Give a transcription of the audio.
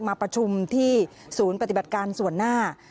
มาประชุมที่ศูนย์ปฏิบัติการส่วนหน้า